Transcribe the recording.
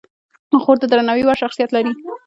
خور د درناوي وړ شخصیت لري.